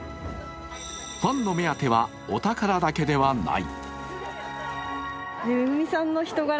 ファンの目当てはお宝だけではない。